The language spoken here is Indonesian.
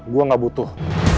gue gak butuh